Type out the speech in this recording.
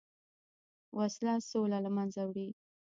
وسله سوله له منځه وړي